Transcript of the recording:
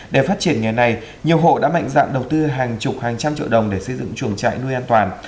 để phát triển nghề này nhiều hộ đã mạnh dạn đầu tư hàng chục hàng trăm triệu đồng để xây dựng chuồng trại nuôi an toàn